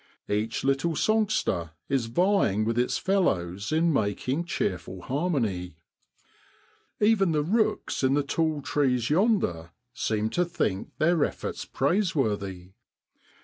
Each little songster is vying with its fellows in making cheerful harmony. Even the rooks in the tall trees yonder MAT IN BROADLAND. 53 seem to think their efforts praiseworthy.